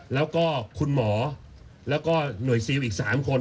แล้วก็คุณหมอแล้วก็หน่วยซิลอีก๓คน